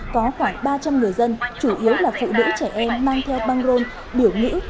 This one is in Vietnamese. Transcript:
có khoảng ba trăm linh người dân chủ yếu là phụ nữ trẻ em mang theo băng rôn biểu ngữ